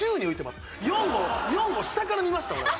４を下から見ました俺。